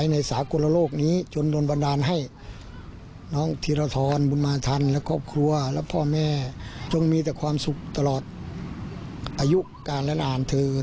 นี่ก็เป็นเรื่องน่ารักในวงการฟุตบอลนะคะ